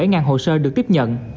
gần bảy hồ sơ được tiếp nhận